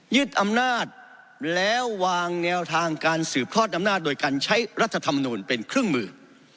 ยึดอำนาจแล้ววางแนวทางการสืบทอดอำนาจโดยการใช้รัฐธรรมนูลเป็นเครื่องมือ